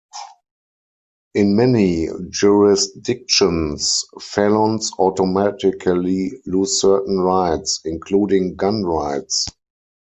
In many jurisdictions, felons automatically lose certain rights, including gun rights.